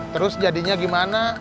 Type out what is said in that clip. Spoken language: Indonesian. terus jadinya gimana